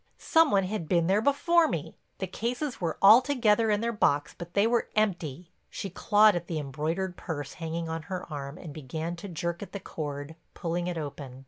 Some one had been there before me, the cases were all together in their box but they were empty." She clawed at the embroidered purse hanging on her arm and began to jerk at the cord, pulling it open.